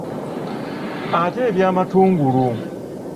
Ate eby’amatungulu?